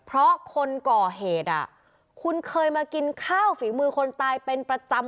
เพราะคนก่อเหตุคุณเคยมากินข้าวฝีมือคนตายเป็นประจำ